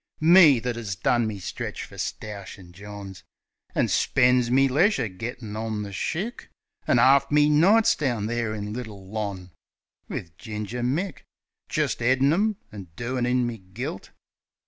Me, that 'as done me stretch fer stoushin' Johns, An' spen's me leisure gittin' on the shick, An' 'arf me nights down there, in Little Lons., Wiv Ginger Mick, Jist 'eadin' 'em, an' doin' in me gilt.